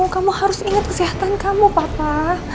kamu harus ingat kesehatan kamu papa